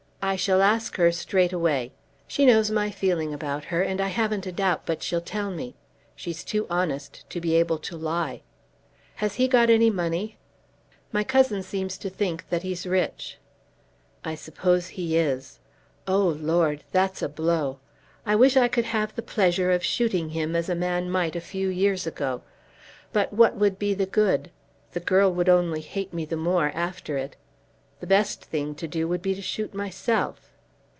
I shall ask her, straight away. She knows my feeling about her, and I haven't a doubt but she'll tell me. She's too honest to be able to lie. Has he got any money?" "My cousin seems to think that he's rich." "I suppose he is. Oh, Lord! That's a blow. I wish I could have the pleasure of shooting him as a man might a few years ago. But what would be the good? The girl would only hate me the more after it. The best thing to do would be to shoot myself."